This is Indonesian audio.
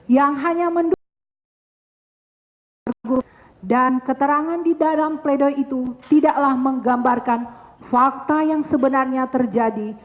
yang hanya mendukung pergub dan keterangan di dalam pledoi itu tidaklah menggambarkan fakta yang sebenarnya terjadi